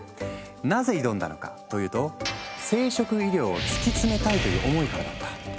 なぜ挑んだのかというと生殖医療をつきつめたいという思いからだった。